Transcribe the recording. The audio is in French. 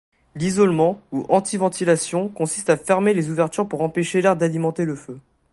L'isolement, ou anti-ventilation, consiste à fermer les ouvertures pour empêcher l'air d'alimenter le feu.